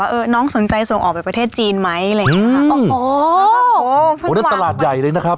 ว่าเออน้องสนใจส่งออกไปประเทศจีนไหมแบบงั้นผมโอ้โหนั้นตลาดใหญ่เลยนะครับ